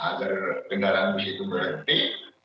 agar kendaraan bus itu berhenti